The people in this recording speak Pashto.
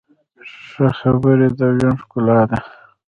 ښه خبرې د ژوند ښکلا ده.